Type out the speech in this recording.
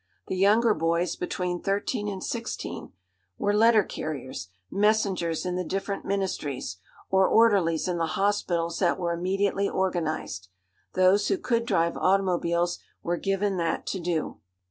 The younger boys, between thirteen and sixteen, were letter carriers, messengers in the different ministries, or orderlies in the hospitals that were immediately organised. Those who could drive automobiles were given that to do.